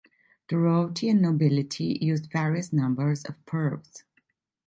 The royalty and nobility used various numbers of pearls.